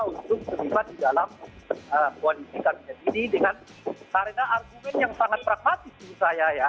untuk terlibat di dalam koalisi kabinet ini dengan karena argumen yang sangat pragmatis menurut saya ya